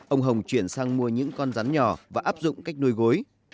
ông hồng chuyển sang mua những con rắn nhỏ và áp dụng cách nuôi gối